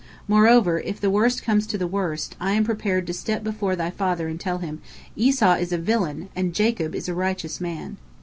Moreover, if the worst comes to the worst, I am prepared to step before thy father and tell him, 'Esau is a villain, and Jacob is a righteous man.'"